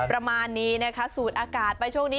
ประมาณนี้นะคะสูดอากาศไปช่วงนี้